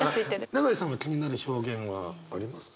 永井さんは気になる表現はありますか？